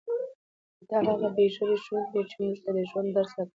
کتاب هغه بې ژبې ښوونکی دی چې موږ ته د ژوند درس راکوي.